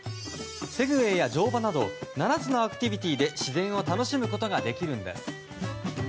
セグウェイや乗馬など７つのアクティビティーで自然を楽しむことができるんです。